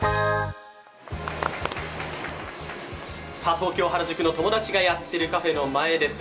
東京・原宿の友達がやってるカフェの前です